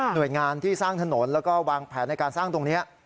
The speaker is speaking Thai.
โดยงานที่สร้างถนนแล้วก็วางแผนในการสร้างตรงนี้